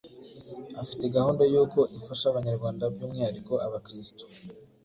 afite gahunda yuko ifasha Abanyarwanda by'umwihariko abakristu,